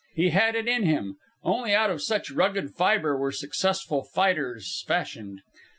He had it in him. Only out of such rugged fibre were successful fighters fashioned.